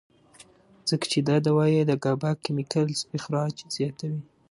ځکه چې دا دوائي د ګابا کېميکلز اخراج زياتوي